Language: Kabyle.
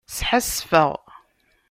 Sḥasfeɣ.